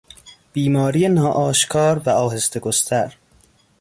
بیماری ناآشکار و آهسته گستر